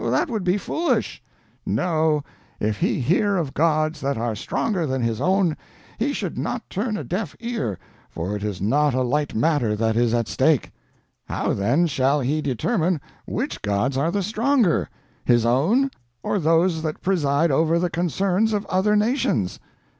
That would be foolish. No, if he hear of gods that are stronger than his own, he should not turn a deaf ear, for it is not a light matter that is at stake. How then shall he determine which gods are the stronger, his own or those that preside over the concerns of other nations?